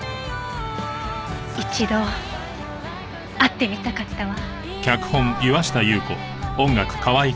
一度会ってみたかったわ。